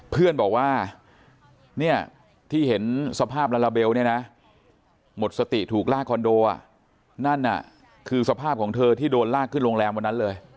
เพื่อนบอกว่าเนี่ยที่เห็นสภาพลาลาเบลเนี่ยนะหมดสติถูกลากคอนโดอ่ะนั่นน่ะคือสภาพของเธอที่โดนลากขึ้นโรงแรมวันนั้นเลย